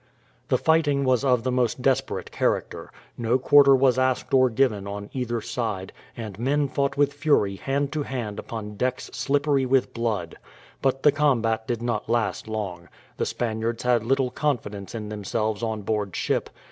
The fighting was of the most desperate character; no quarter was asked or given on either side, and men fought with fury hand to hand upon decks slippery with blood. But the combat did not last long. The Spaniards had little confidence in themselves on board ship.